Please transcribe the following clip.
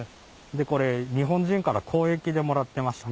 これ日本人から交易でもらってました。